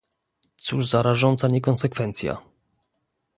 Cóż za rażąca niekonsekwencja!